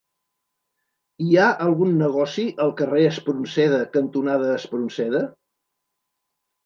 Hi ha algun negoci al carrer Espronceda cantonada Espronceda?